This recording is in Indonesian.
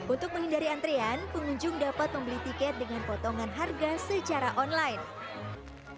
untuk menghindari antrian pengunjung dapat membeli tiket dengan potongan harga secara online